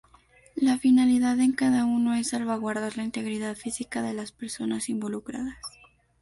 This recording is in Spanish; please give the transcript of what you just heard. La finalidad en cada uno es salvaguardar la integridad física de las personas involucradas.